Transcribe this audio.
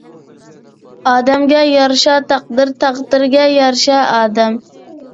ئادەمگە يارىشا تەقدىر تەقدىرگە يارىشا ئادەم